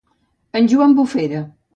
En Joan Bufera.